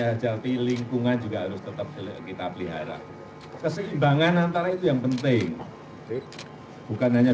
hajati lingkungan juga harus tetap kita pelihara keseimbangan antara itu yang penting bukan hanya